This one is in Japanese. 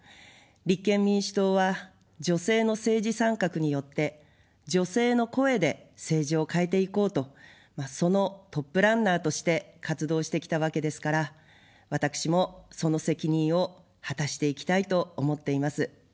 立憲民主党は女性の政治参画によって女性の声で政治を変えていこうと、そのトップランナーとして活動してきたわけですから、私もその責任を果たしていきたいと思っています。